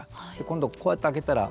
今度こうやって開けたら。